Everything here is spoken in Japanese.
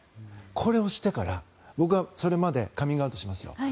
これをしてから僕はそれまでカミングアウトしますよ。